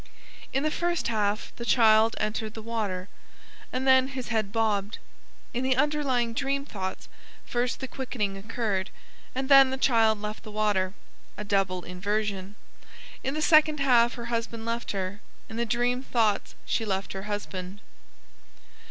In the first half the child entered the water, and then his head bobbed; in the underlying dream thoughts first the quickening occurred, and then the child left the water (a double inversion). In the second half her husband left her; in the dream thoughts she left her husband.